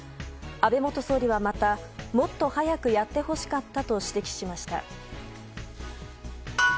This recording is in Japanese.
安倍元総理は、またもっと早くやってほしかったと指摘しました。